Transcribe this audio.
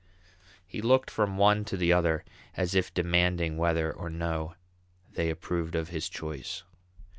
He looked from one to the other as if demanding whether or no they approved of his choice.